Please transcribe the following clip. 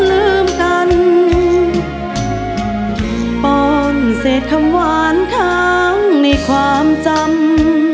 ลืมกันป้อนเศษคำหวานค้างในความจำ